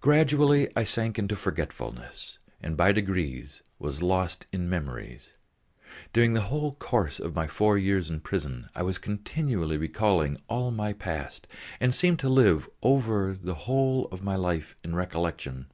Gradually I sank into forgetfulness and by degrees was lost in memories. During the whole course of my four years in prison I was continually recalling all my past, and seemed to live over again the whole of my life in recollection.